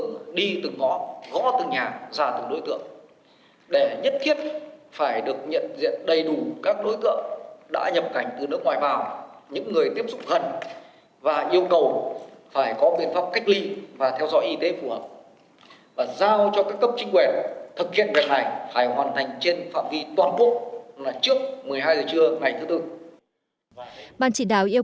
của chúng ta